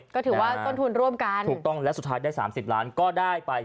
ก็ถือว่าต้นทุนร่วมกันถูกต้องและสุดท้ายได้๓๐ล้านก็ได้ไป